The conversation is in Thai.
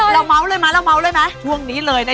เจอกันอีกแล้วสวัสดีค่ะ